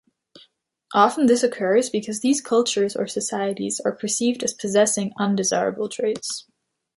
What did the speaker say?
Often this occurs because these cultures or societies are perceived as possessing "undesirable" traits.